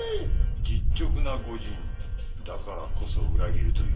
実直な御仁だからこそ裏切るということでは。